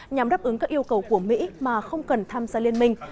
nhằm đáp ứng các yêu cầu của mỹ mà không cần tham gia liên minh